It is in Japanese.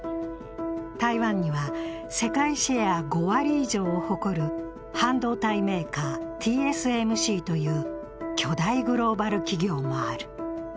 台湾には世界シェア５割以上を誇る半導体メーカー、ＴＳＭＣという巨大グローバル企業もある。